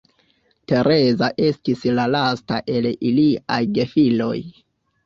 Tereza estis la lasta el iliaj gefiloj.